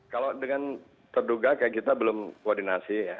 kalau dengan terduga kayak kita belum koordinasi ya